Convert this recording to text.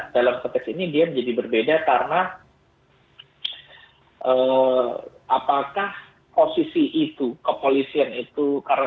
dalam konteks ini dia menjadi berbeda karena apakah posisi itu kepolisian itu karena